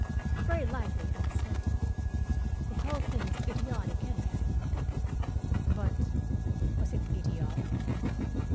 "Very likely," I assented. "The whole thing is idiotic, anyhow." But was it idiotic?